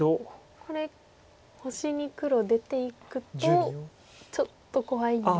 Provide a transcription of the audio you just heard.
これ星に黒出ていくとちょっと怖いですか。